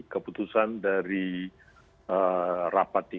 keputusan dari rapat dikasih